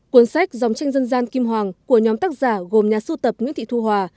cuốn sách dòng tranh dân gian kim hoàng của nhóm tác giả gồm nhà sưu tập nguyễn thị thu hòa